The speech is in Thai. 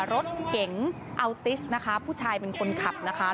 รถเก๋งอัลติสนะคะผู้ชายเป็นคนขับนะคะ